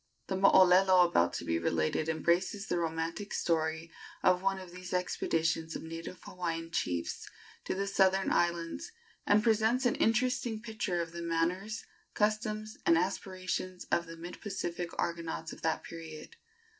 The mooolelo about to be related embraces the romantic story of one of these expeditions of native Hawaiian chiefs to the southern islands, and presents an interesting picture of the manners, customs and aspirations of the mid Pacific Argonauts of that period.